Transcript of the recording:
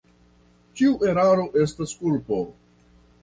Ĉiu eraro estas kulpo.